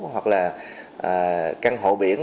hoặc là căn hộ biển